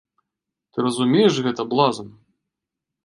Ты разумееш гэта, блазан?